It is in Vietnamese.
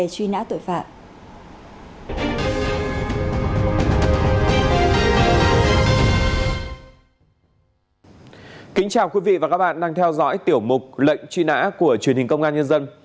kính chào quý vị và các bạn đang theo dõi tiểu mục lệnh truy nã của truyền hình công an nhân dân